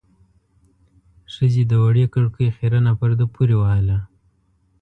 ښځې د وړې کړکۍ خيرنه پرده پورې وهله.